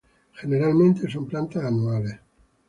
Generalmente son plantas anuales.